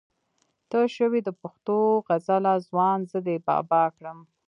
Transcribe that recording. ته شوې د پښتو غزله ځوان زه دې بابا کړم